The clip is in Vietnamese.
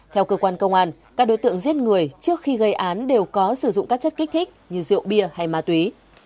theo cơ quan công an các đối tượng giết người trước khi gây án đều có sử dụng các chất kích thích như rượu bia hay ma túy